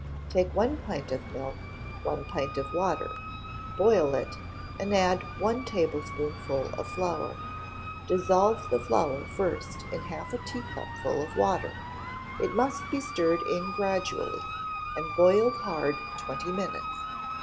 Take one pint of milk, one pint of water; boil it, and add one tablespoonful of flour. Dissolve the flour first in half a teacupful of water; it must he strained in gradually, and boiled hard twenty minutes.